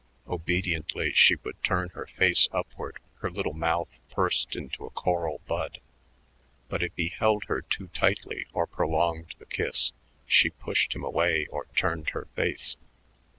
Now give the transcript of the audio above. Obediently she would turn her face upward, her little mouth pursed into a coral bud, but if he held her too tightly or prolonged the kiss, she pushed him away or turned her face.